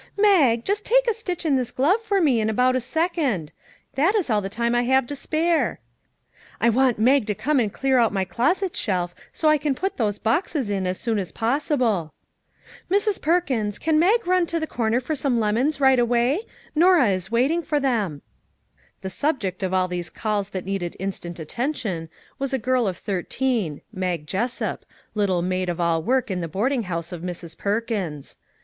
" Mag, just take a stitch in this glove for me in about a second ; that is all the time I have to spare." " I want Mag to come and clear out my closet shelf so I can put those boxes in as soon as possible." " Mrs. Perkins, can Mag run to the corner for some lemons right away? Norah is wait ing for them." zx MAG AND MARGARET The subject of all these calls that needed in stant attention was a girl of thirteen, Mag Jessup, little maid of all work in the boarding house of Mrs. Perkins.